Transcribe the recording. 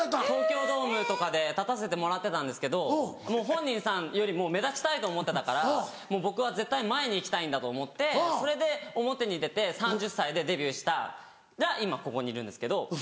東京ドームとかで立たせてもらってたんですけどもう本人さんよりも目立ちたいと思ってたからもう僕は絶対前に行きたいんだと思ってそれで表に出て３０歳でデビューしたら今ここにいるんですけど。